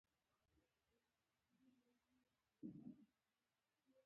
دوستانه احساساتو په نظر کې نیولو سره.